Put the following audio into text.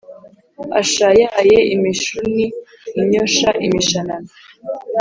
Ashayaye imishuni inyosha imishanana